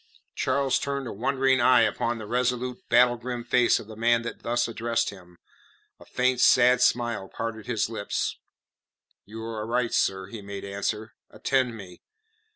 Charles turned a wondering eye upon the resolute, battle grimed face of the man that thus addressed him. A faint, sad smile parted his lips. "You are right, sir," he made answer. "Attend me."